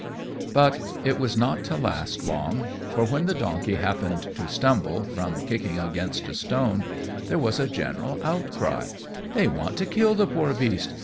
But it was not to last long, for when the donkey happened to stumble, from kicking against a stone, there was a general outcry: "They want to kill the poor beast.